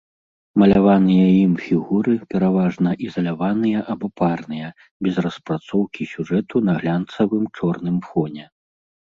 Маляваныя ім фігуры пераважна ізаляваныя або парныя, без распрацоўкі сюжэту на глянцавым чорным фоне.